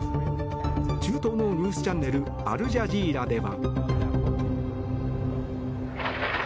中東のニュースチャンネルアルジャジーラでは。